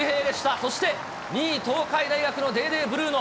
そして２位、東海大学のデーデー・ブルーノ。